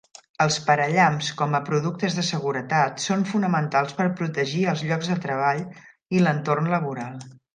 Els parallamps com a productes de seguretat són fonamentals per protegir els llocs de treball i l"entorn laboral.